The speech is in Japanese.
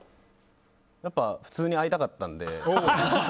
やっぱ普通に会いたかったんで。